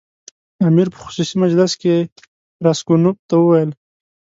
امیر په خصوصي مجلس کې راسګونوف ته وویل.